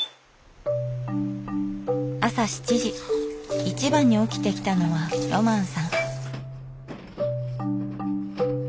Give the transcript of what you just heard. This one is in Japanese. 朝７時一番に起きてきたのはロマンさん。